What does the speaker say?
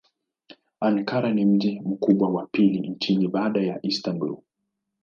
Ankara ni mji mkubwa wa pili nchini baada ya Istanbul.